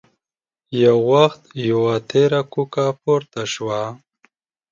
يو وخت يوه تېره کوکه پورته شوه.